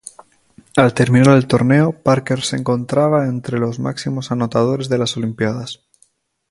Al finalizar el torneo, Parker se encontraba entre los máximos anotadores de las olimpiadas.